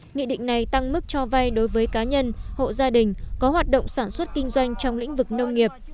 nghị định này tăng mức cho vay đối với cá nhân hộ gia đình có hoạt động sản xuất kinh doanh trong lĩnh vực nông nghiệp